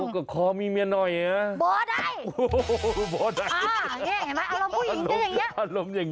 ก็ครอว์มีเมียหน่อย